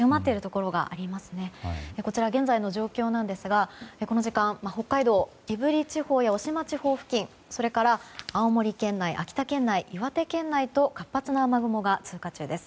こちら、現在の状況なんですがこの時間、北海道胆振地方や雄島地方付近、青森県内秋田県内、岩手県内と活発な雨雲が通過中です。